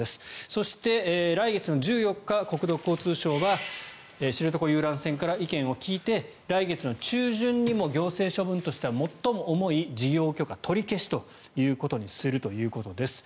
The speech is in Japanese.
そして、来月の１４日国土交通省は知床遊覧船から意見を聞いて来月中旬にも行政処分としては最も重い事業許可取り消しにするということです。